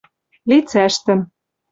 лицӓштӹм.